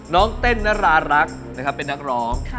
เต้นนรารักนะครับเป็นนักร้อง